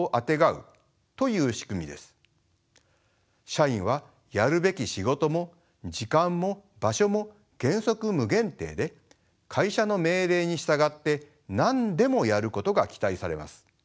社員はやるべき仕事も時間も場所も原則無限定で会社の命令に従って何でもやることが期待されます。